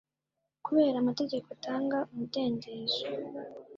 kubera amategeko atanga umudendezo